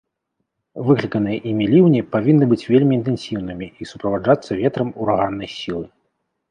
Выкліканыя імі ліўні павінны быць вельмі інтэнсіўнымі і суправаджацца ветрам ураганнай сілы.